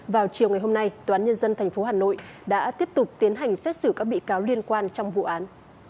vào chiều ngày hôm nay tòa án nhân dân thành phố hà nội đã tiếp tục tiến hành xét xử các bị cáo liên quan trong vụ án